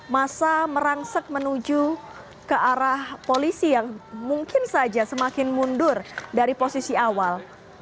masa merangsek menuju ke arah polisi yang mungkin saja semakin mundur dari posisi awal